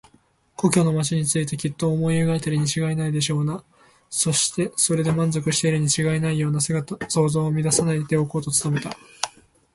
故郷の町についてきっと思い描いているにちがいないような、そしてそれで満足しているにちがいないような想像を乱さないでおこうと努めた。